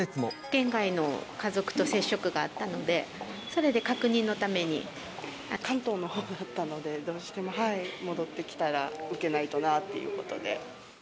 県外の家族と接触があったの関東のほうだったので、どうしても戻ってきたら、受けないとなということで。